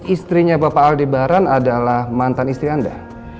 istrinya bapak aldebaran adalah mantan istri anda